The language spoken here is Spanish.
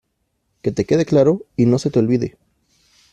que te quede claro y que no se te olvide.